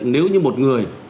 nếu như một người